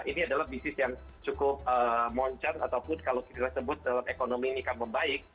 ini adalah bisnis yang cukup moncan ataupun kalau kita sebut dalam ekonomi ini akan membaik